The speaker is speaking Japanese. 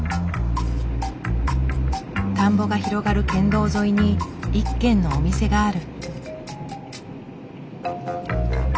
田んぼが広がる県道沿いに一軒のお店がある。